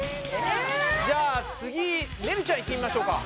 じゃあ次ねるちゃんいってみましょうか。